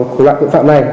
của loại tội phạm này